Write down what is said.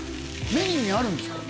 メニューにあるんですか？